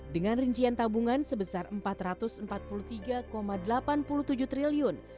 dengan rincian tabungan sebesar rp empat ratus empat puluh tiga delapan puluh tujuh triliun